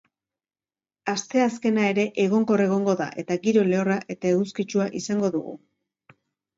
Asteazkena ere egonkor egongo da, eta giro lehorra eta eguzkitsua izango dugu.